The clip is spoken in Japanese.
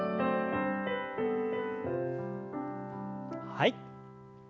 はい。